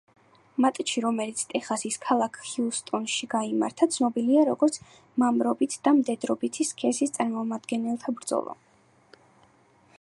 მატჩი, რომელიც ტეხასის ქალაქ ჰიუსტონში გაიმართა, ცნობილია როგორც მამრობით და მდედრობითი სქესის წარმომადგენელთა ბრძოლა.